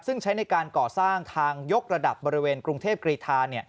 ซึ่งใช้ในการก่อสร้างทางยกระดับบริเวณกรุงเทพกรีธา